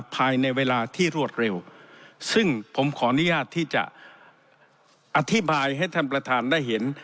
ภายในเวลาที่รวดเร็วซึ่งผมขออนุญาตที่จะอธิบายให้ท่านประธานได้เห็น